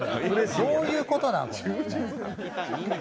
どういうことだよ。